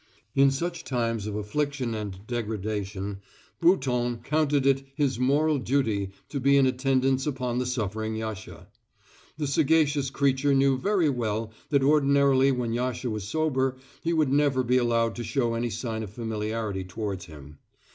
In such times of affliction and degradation Bouton counted it his moral duty to be in attendance upon the suffering Yasha. The sagacious creature knew very well that ordinarily when Yasha was sober he would never be allowed to show any sign of familiarity towards him.